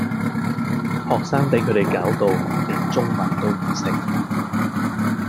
學生比佢地攪到連中文都唔識